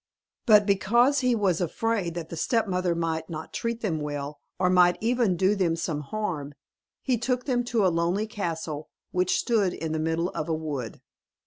But, because he was afraid that the stepmother might not treat them well, or might even do them some harm, he took them to a lonely castle which stood in the middle of a wood.